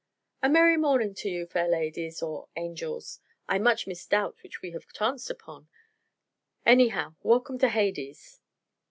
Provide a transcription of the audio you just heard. "A merry morning to you, fair ladies or angels I much misdoubt which we have chanced upon. Anyhow, welcome to Hades!"